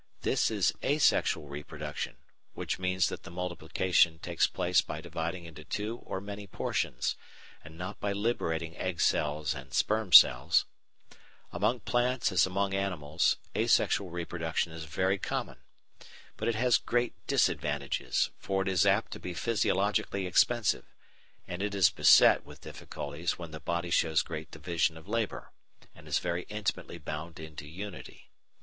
This is asexual reproduction, which means that the multiplication takes place by dividing into two or many portions, and not by liberating egg cells and sperm cells. Among animals as among plants, asexual reproduction is very common. But it has great disadvantages, for it is apt to be physiologically expensive, and it is beset with difficulties when the body shows great division of labour, and is very intimately bound into unity.